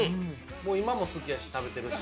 今も好きやし食べてるし。